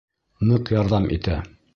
Ныҡ ярҙам итә.